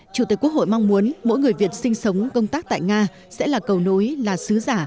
chủ tịch quốc hội mong muốn mỗi người việt sinh sống công tác tại nga sẽ là cầu nối là sứ giả